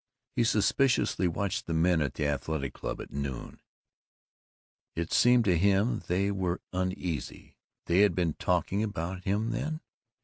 He suspiciously watched the men at the Athletic Club that noon. It seemed to him that they were uneasy. They had been talking about him then?